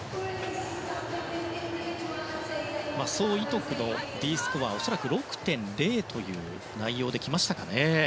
ソ・イトクのＤスコアは恐らく６．０という内容できましたかね。